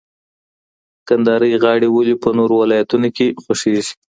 کندهارۍ غاړې ولې په نورو ولایتونو کي خوښېږي؟